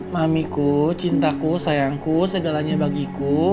mamiku cintaku sayangku segalanya bagiku